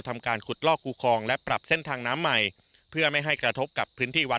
ดังนั้นบทพระรบริเวณกระทำกล้าวข้นเกี่ยวเริ่มโดยกำลังพอเกี่ยวกันจเก่าในหมู่คนเกี่ยวมาก